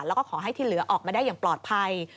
แล้วก็ขอให้ที่เหลือออกมาได้อย่างปลอดภัย